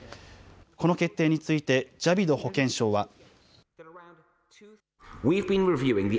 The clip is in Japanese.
この決定についてジャビド保健相は。